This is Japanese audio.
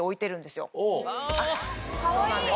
そうなんです。